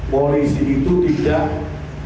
polisi itu tidak menekan